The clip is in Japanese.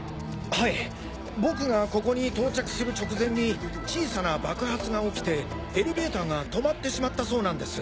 はい僕がここに到着する直前に小さな爆発が起きてエレベーターが止まってしまったそうなんです。